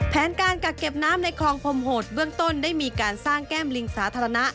แผนการกักเก็บน้ำในคลองพรมโหดเบื้องต้นได้มีการสร้างแก้มลิงสาธารณะ